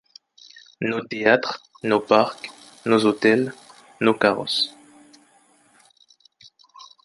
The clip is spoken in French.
Nos théatres, nos parcs, nos hôtels, nos carrosses !-